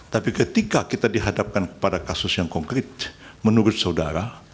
tapi ketika kita dihadapkan kepada kasus yang konkret menurut saudara